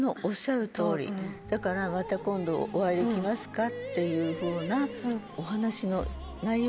だからまた今度お会いできますかっていうふうなお話の内容？